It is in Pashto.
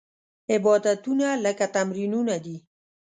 عبادتونه لکه تمرینونه دي.